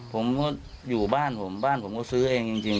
ผมก็อยู่บ้านผมบ้านผมก็ซื้อเองจริง